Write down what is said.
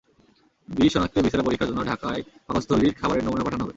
বিষ শনাক্তে ভিসেরা পরীক্ষার জন্য ঢাকায় পাকস্থলীর খাবারের নমুনা পাঠানো হবে।